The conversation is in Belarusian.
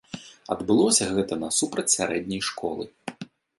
Адбылося гэта насупраць сярэдняй школы.